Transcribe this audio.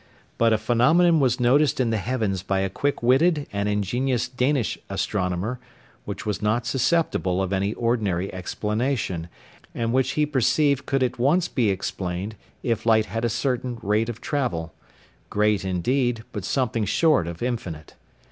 But a phenomenon was noticed in the heavens by a quick witted and ingenious Danish astronomer, which was not susceptible of any ordinary explanation, and which he perceived could at once be explained if light had a certain rate of travel great, indeed, but something short of infinite.